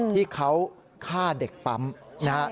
ที่เขาฆ่าเด็กปั๊มนะครับ